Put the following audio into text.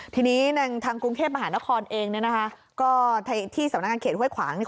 ทีนี้ทางกรุงเทพฮเองก็ที่สำนักงานเขตหวัยขวางเนี่ย